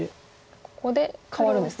ここで変わるんですね。